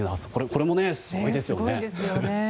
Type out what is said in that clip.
これもすごいですよね。